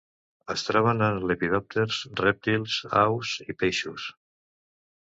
Es troben en lepidòpters, rèptils, aus i peixos.